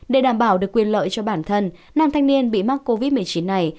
để đảm bảo được quyền lợi cho bản thân nam thanh niên bị mắc covid một mươi chín này